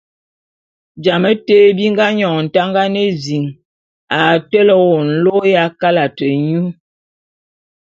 Jame té bi nga nyòn Ntangan ézin a tele wô nlô ya kalate nyô.